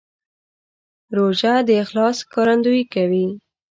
روژه د اخلاص ښکارندویي کوي.